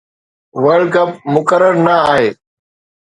world cup مقرر نه آهي